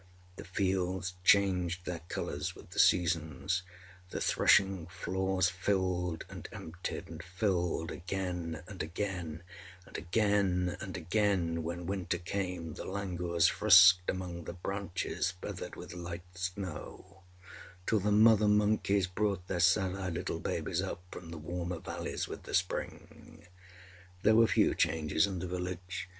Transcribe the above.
The fields changed their colours with the seasons; the threshing floors filled and emptied, and filled again and again; and again and again, when winter came, the langurs frisked among the branches feathered with light snow, till the mother monkeys brought their sad eyed little babies up from the warmer valleys with the spring. There were few changes in the village.